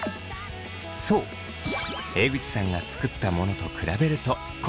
そう江口さんが作ったものと比べるとこんな感じ。